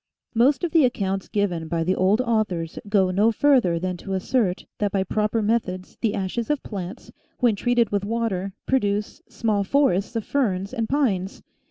Most of the accounts given by the old au thors go no further than to assert that by proper methods the ashes of plants, when treated with water, produce small forests of ferns and pines.